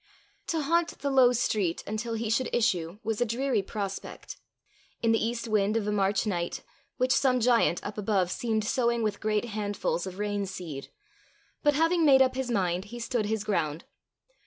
To haunt the low street until he should issue was a dreary prospect in the east wind of a March night, which some giant up above seemed sowing with great handfuls of rain seed; but having made up his mind, he stood his ground.